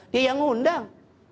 dia yang undang